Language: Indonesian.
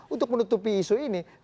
untuk menutupi isu ini